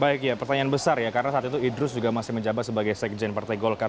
baik ya pertanyaan besar ya karena saat itu idrus juga masih menjabat sebagai sekjen partai golkar